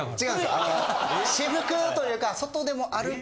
あの私服というか。